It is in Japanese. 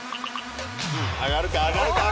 上がるか？